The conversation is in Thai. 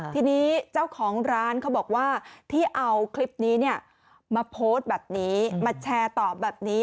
ทีนี้เจ้าของร้านเขาบอกว่าที่เอาคลิปนี้มาโพสต์แบบนี้มาแชร์ตอบแบบนี้